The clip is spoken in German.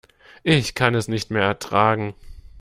Ich kann es nicht mehr ertragen.